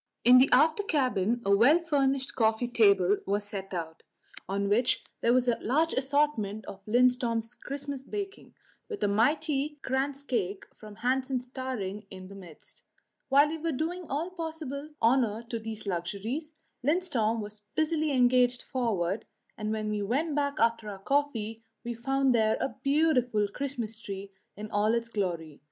In the after cabin a well furnished coffee table was set out, on which there was a large assortment of Lindström's Christmas baking, with a mighty kransekake from Hansen's towering in the midst. While we were doing all possible honour to these luxuries, Lindström was busily engaged forward, and when we went back after our coffee we found there a beautiful Christmas tree in all its glory.